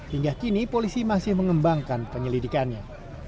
hingga kini polisi masih mengembangkan penyelidikannya